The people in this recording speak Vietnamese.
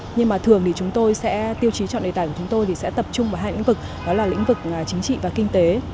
nhưng mà thường thì chúng tôi sẽ tiêu chí chọn đề tài của chúng tôi thì sẽ tập trung vào hai lĩnh vực đó là lĩnh vực chính trị và kinh tế